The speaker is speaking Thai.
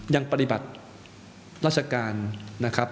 ยังปฏิบัติราชการนะครับ